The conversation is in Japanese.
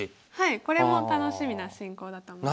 これも楽しみな進行だと思います。